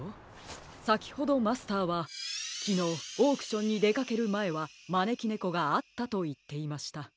さきほどマスターはきのうオークションにでかけるまえはまねきねこがあったといっていました。